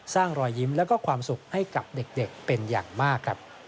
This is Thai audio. รอยยิ้มและความสุขให้กับเด็กเป็นอย่างมากครับ